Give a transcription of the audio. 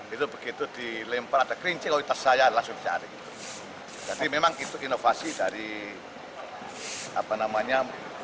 itu begitu dilempar ada kerinci louitas saya langsung cari jadi memang itu inovasi dari apa namanya